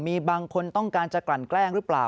มีบางคนต้องการจะกลั่นแกล้งหรือเปล่า